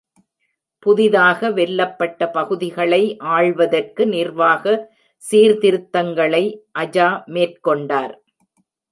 புதிதாக வெல்லப்பட்ட பகுதிகளை ஆள்வதற்கு நிர்வாக சீர்திருத்தங்களை அஜா மேற்கொண்டார்.